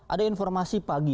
ada informasi pagi